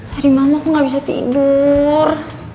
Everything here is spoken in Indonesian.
hari malem aku gak bisa tidur